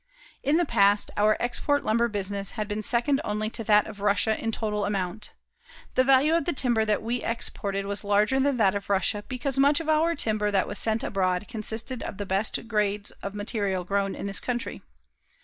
In the past, our export lumber business has been second only to that of Russia in total amount. The value of the timber that we exported was larger than that of Russia because much of our timber that was sent abroad consisted of the best grades of material grown in this country.